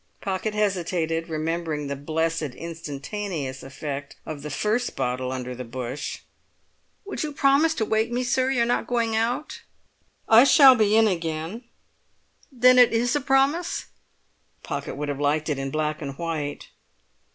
Pocket hesitated, remembering the blessed instantaneous effect of the first bottle under the bush. "Would you promise to wake me, sir? You're not going out?" "I shall be in again." "Then it is a promise?" Pocket would have liked it in black and white.